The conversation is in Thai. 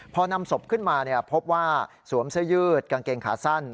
พอนำศพขึ้นมาพบว่าสวมเสื้อยืดกางเกงขาสั้น